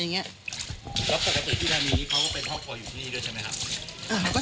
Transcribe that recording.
ป่อยมาชิมสิยังไงมึงว่า